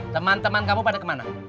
teman teman kamu pada kemana